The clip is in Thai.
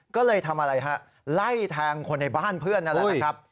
ก็เลยทำอะไรฮะไล่แทงคนในบ้านเพื่อนนั่นแหละนะครับ